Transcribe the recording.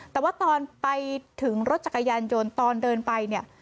แต่ว่าตอนไปถึงรถจักรยานยนต์ตอนเดินไปเนี่ย